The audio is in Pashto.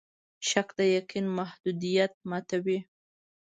شک د یقین د محدودیت ماتوي.